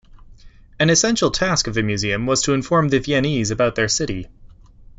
An essential task of the museum was to inform the Viennese about their city.